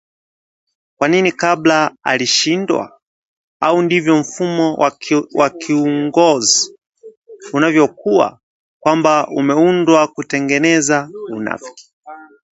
Kwa nini kabla alishindwa? Au ndivyo mfumo wa kiungozi unavyokuwa? Kwamba umeundwa kutengeneza unafiki